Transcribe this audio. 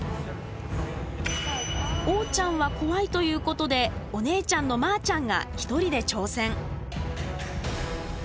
おーちゃんは怖いということでお姉ちゃんのまーちゃんが一人で挑戦！